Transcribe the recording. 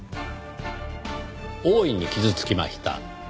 大いに傷つきました。